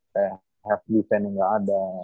kayak have defense yang gak ada